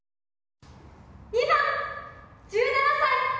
２番、１７歳。